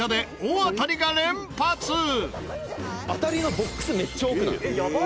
「当たりのボックスめっちゃ多くない？」